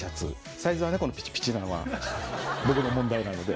サイズがピチピチなのは僕の問題なので。